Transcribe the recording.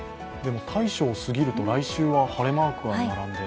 大暑をすぎると、来週は晴れマークが並んで。